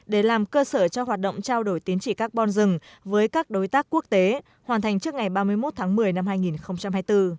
để làm cơ sở cho hoạt động trao đổi tiến trị carbon rừng với các đối tác quốc tế hoàn thành trước ngày ba mươi một tháng một mươi năm hai nghìn hai mươi bốn